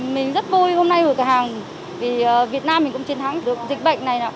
mình rất vui hôm nay hồi cả hàng vì việt nam mình cũng chiến thắng được dịch bệnh này